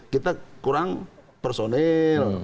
kita kurang personil